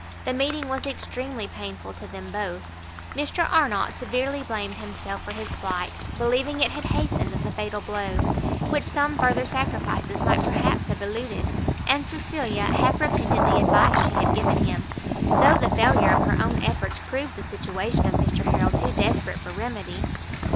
The meeting was extremely painful to them both. Mr Arnott severely blamed himself for his flight, believing it had hastened the fatal blow, which some further sacrifices might perhaps have eluded; and Cecilia half repented the advice she had given him, though the failure of her own efforts proved the situation of Mr Harrel too desperate for remedy.